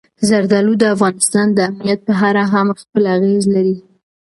زردالو د افغانستان د امنیت په اړه هم خپل اغېز لري.